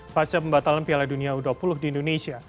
pasca pembatalan piala dunia u dua puluh di indonesia